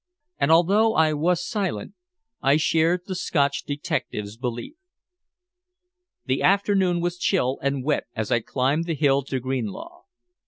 And although I was silent, I shared the Scotch detective's belief. The afternoon was chill and wet as I climbed the hill to Greenlaw.